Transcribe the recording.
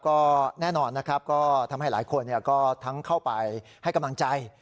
ก็แน่นอนนะครับก็ทำให้หลายคนก็ทั้งเข้าไปให้กำลังใจ